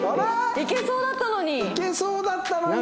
いけそうだったのにな。